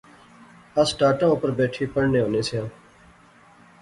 اس ٹاٹاں اوپر بیٹھی پڑھنے ہونے سیاں